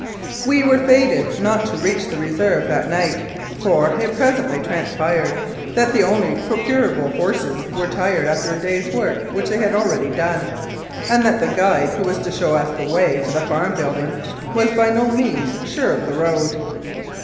We were fated not to reach the Reserve that night, for it presently transpired that the only procurable horses were tired after a day's work which they had already done, and that the guide who was to show us the way to the farm buildings was by no means sure of the road.